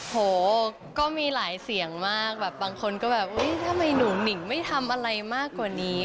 โหก็มีหลายเสียงมากแบบบางคนก็แบบอุ๊ยทำไมหนูหนิ่งไม่ทำอะไรมากกว่านี้